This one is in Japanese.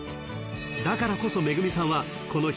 ［だからこそ惠さんはこの日］